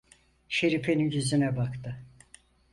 Şerife'nin yüzüne baktı.